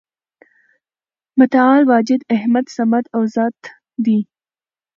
متعال واجد، احد، صمد او ذات دی ،